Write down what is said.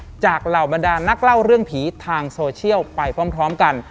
เหล่าบรรดานักเล่าเรื่องผีทางโซเชียลไปพร้อมกัน